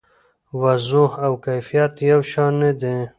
وضوح او کیفیت یو شان نه دي.